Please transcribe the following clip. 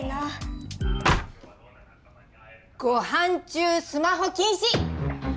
ご飯中スマホ禁止！